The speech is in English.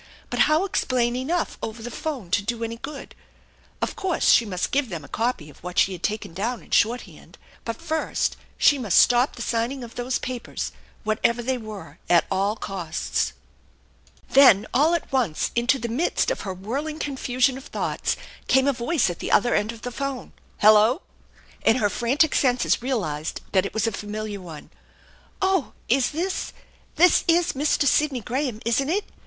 But how explain enough over the phone to do any good ? Of course she must give them a copy of what she had taken down in short hand, but first she must stop the signing of those papers, what ever they were, at ill costs. 184 THE ENCHANTED BARN Then all at once, into the midst of her whirling confusion of thoughts, came a voice at the other end of the phone, " Hello !" and her frantic senses realized that it was a familiar one. " Oh, is this, this is Mr. Sidney Graham, isn't it?